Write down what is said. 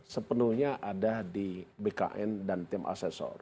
sepenuhnya ada di bkn dan tim asesor